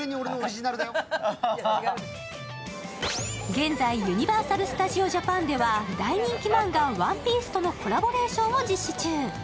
現在ユニバーサル・スタジオ・ジャパンでは大人気漫画、「ＯＮＥＰＩＥＣＥ」とのコラボレーションを実施中。